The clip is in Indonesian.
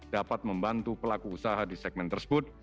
dapat membantu pelaku usaha di segmen tersebut